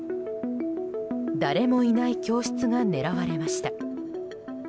誰もいない教室が狙われました。